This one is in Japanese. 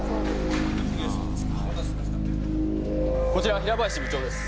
こちら平林部長です。